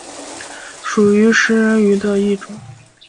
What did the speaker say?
属于食人鱼的一种。